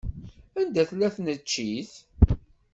Anda tella tneččit?